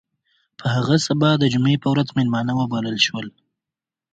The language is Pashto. په هغه سبا د جمعې په ورځ میلمانه وبلل شول.